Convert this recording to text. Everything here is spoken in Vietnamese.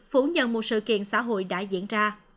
phủ nhận một sự kiện xã hội đã diễn ra